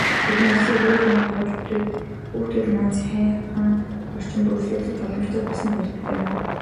Бидний ажлын үр дүн гарч, хүүхдүүд маань сайхан орчинд үйлчлүүлэх боломжтой болсонд баяртай байна.